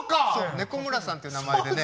猫村さんっていう名前でね。